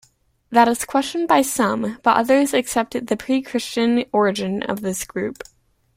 That is questioned by some, but others accept the pre-Christian origin of this group.